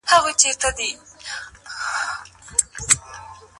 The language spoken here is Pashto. غازي امان الله خان د درېیمې انګریز-افغان جګړې اتل وو.